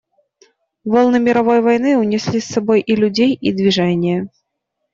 Волны мировой войны унесли с собой и людей и движение.